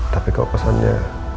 tapi kok kesannya